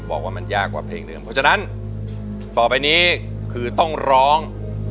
บอกว่ามันยากกว่าเพลงเดิมเพราะฉะนั้นต่อไปนี้คือต้องร้อง